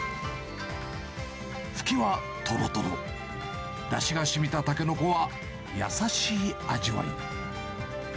フキはとろとろ、だしがしみたタケノコは、優しい味わい。